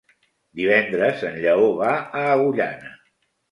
Divendres en Lleó va a Agullana.